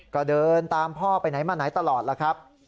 ก็เดินตามพ่อไปไหนมาไหนตลอดล่ะครับ